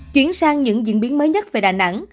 chuyển sang những diễn biến mới nhất về đà nẵng